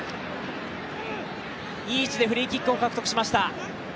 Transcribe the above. いい位置でフリーキックを獲得しました。